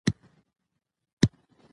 افغانۍ زموږ ملي کرنسي ده.